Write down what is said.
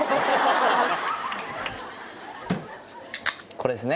これですね！